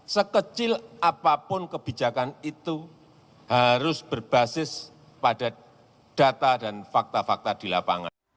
sekecil apapun kebijakan itu harus berbasis pada data dan fakta fakta di lapangan